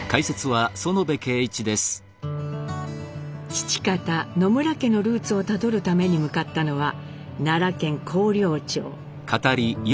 父方野村家のルーツをたどるために向かったのは奈良県広陵町。